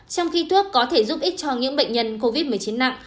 trong khi thuốc có thể giúp ích cho những bệnh nhân covid một mươi chín nặng